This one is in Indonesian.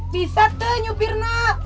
bisa tuh nyupir nga